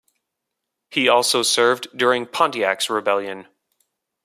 He also served during Pontiac's Rebellion.